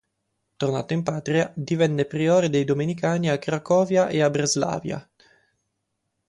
Tornato in patria, divenne priore dei domenicani a Cracovia e a Breslavia.